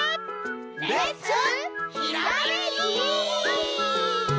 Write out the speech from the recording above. レッツひらめき！